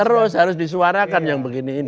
terus harus disuarakan yang begini ini